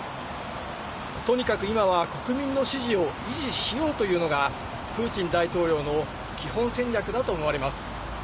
とにかく今は、国民の支持を維持しようというのが、プーチン大統領の基本戦略だと思われます。